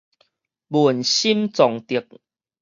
文心崇德